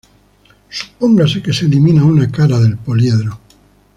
Supóngase que se elimina una cara del poliedro.